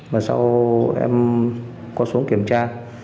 và sau em có xuống kiểm tra